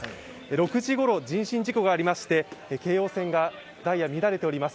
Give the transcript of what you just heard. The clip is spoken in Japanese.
６時ごろ、人身事故がありまして京王線がダイヤ乱れております。